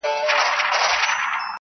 هر څوک د پیښي خپل تفسير وړاندي کوي,